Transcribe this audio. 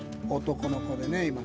男の子でね。